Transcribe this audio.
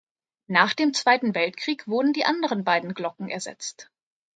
Nach dem Zweiten Weltkrieg wurden die anderen beiden Glocken ersetzt.